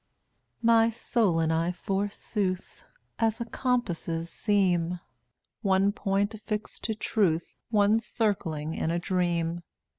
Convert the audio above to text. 1 87 My soul and I, forsooth, As a compasses seem, One point affixed to truth, One circling in a dream.